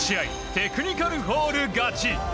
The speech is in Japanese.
テクニカルフォール勝ち。